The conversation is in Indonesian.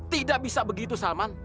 tidak bisa begitu salman